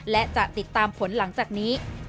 และจะติดตามผลหลังจากนี้